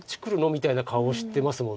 みたいな顔をしてますもんね。